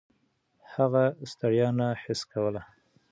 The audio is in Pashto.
هغه ستړیا نه حس کوله.